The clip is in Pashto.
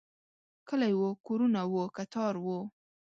کلی و، کورونه و، کتار و